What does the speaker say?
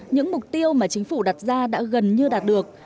những mục tiêu mà chính phủ đặt ra đã gần như đạt được